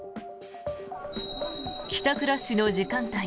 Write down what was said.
帰宅ラッシュの時間帯